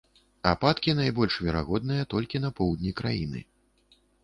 Ападкі найбольш верагодныя толькі на поўдні краіны.